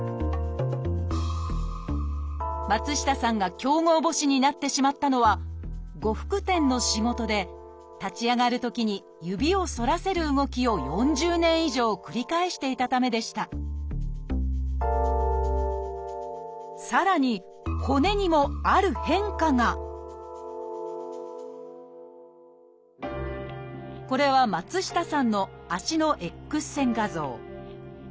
松下さんが強剛母趾になってしまったのは呉服店の仕事で立ち上がるときに指を反らせる動きを４０年以上繰り返していたためでしたさらに骨にもある変化がこれは松下さんの足のＸ線画像。